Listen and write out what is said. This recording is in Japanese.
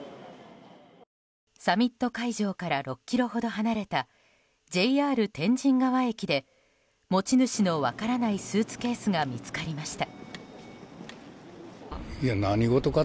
サミット会場から６ｋｍほど離れたＪＲ天神川駅で持ち主の分からないスーツケースが見つかりました。